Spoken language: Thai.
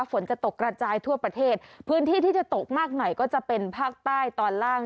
ฝนจะตกกระจายทั่วประเทศพื้นที่ที่จะตกมากหน่อยก็จะเป็นภาคใต้ตอนล่าง